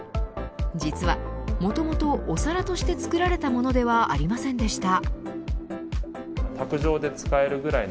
実は、もともとお皿として作られたものではありませんでした。